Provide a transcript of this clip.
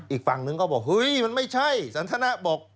อีกฝั่งนึงก็บอกเฮ้ยมันไม่ใช่สันทนะบอก